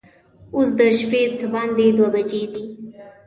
اوس د شپې څه باندې دوه بجې دي.